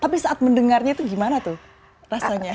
tapi saat mendengarnya itu gimana tuh rasanya